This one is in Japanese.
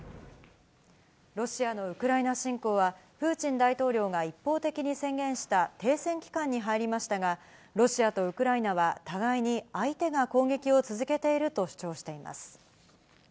ロシアのウクライナ侵攻は、プーチン大統領が一方的に宣言した停戦期間に入りましたが、ロシアとウクライナは互いに相手が攻撃を続けていると主張しています。